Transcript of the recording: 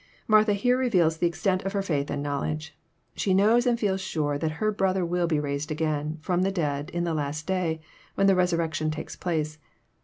] Martha here reveals the extent of her faith and knowledge. She knows and feels sure that her brother will be raised again fh)m the dead in the last day, when the resurrection takes place.